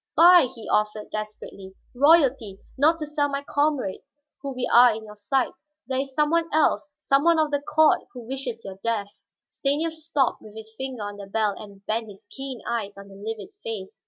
"Buy," he offered desperately. "Royalty, not to sell my comrades who are we in your sight there is some one else, some one of the court who wishes your death." Stanief stopped with his finger on the bell and bent his keen eyes on the livid face.